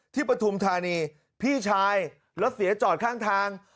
ปฐุมธานีพี่ชายรถเสียจอดข้างทาง